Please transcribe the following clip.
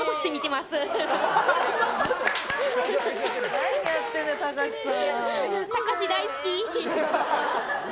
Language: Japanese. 何やってんだよ隆さん。